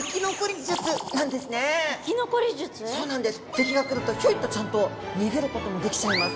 敵が来るとヒョイっとちゃんと逃げることもできちゃいます。